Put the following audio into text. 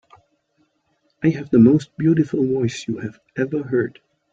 I have the most beautiful voice you have ever heard.